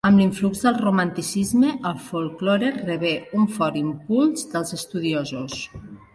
Amb l’influx del romanticisme, el folklore rebé un fort impuls dels estudiosos.